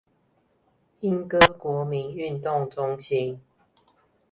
鶯歌國民運動中心